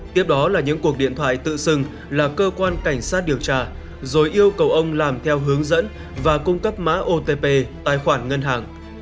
tiếp đó là những cuộc điện thoại tự xưng là cơ quan cảnh sát điều tra rồi yêu cầu ông làm theo hướng dẫn và cung cấp mã otp tài khoản ngân hàng